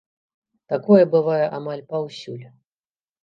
Такое бывае амаль паўсюль.